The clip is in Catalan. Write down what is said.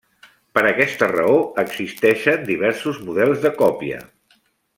Per aquesta raó, existeixen diversos models de còpia.